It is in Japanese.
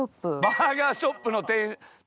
バーガーショップの店長？